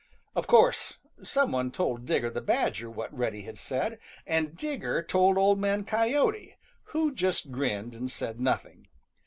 Of course, some one told Digger the Badger what Reddy had said, and Digger told Old Man Coyote, who just grinned and said nothing.